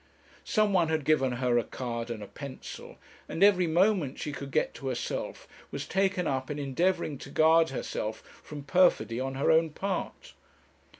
Some one had given her a card and a pencil, and every moment she could get to herself was taken up in endeavouring to guard herself from perfidy on her own part.